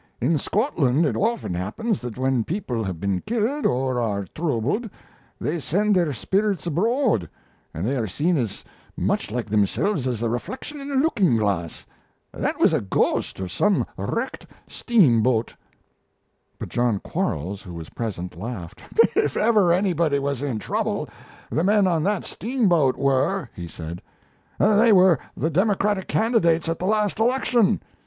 In Scotland, it often happens that when people have been killed, or are troubled, they send their spirits abroad and they are seen as much like themselves as a reflection in a looking glass. That was a ghost of some wrecked steamboat." But John Quarles, who was present, laughed: "If ever anybody was in trouble, the men on that steamboat were," he said. "They were the Democratic candidates at the last election.